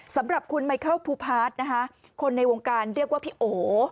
สำหรับคุณไมเคิลภูพาร์ทนะคะคนในวงการเรียกว่าพี่โอ